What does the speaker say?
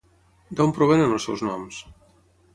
D'on provenen els seus noms?